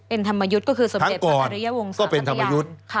เป็นธรรมยุติก็คือทั้งก่อนก็เป็นธรรมยุติ